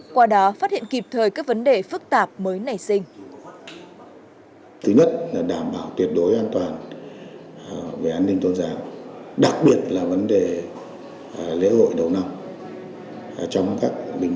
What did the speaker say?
qua đó phát hiện kịp thời các vấn đề phức tạp mới nảy sinh